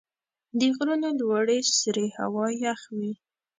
د غرونو لوړې سرې هوا یخ وي.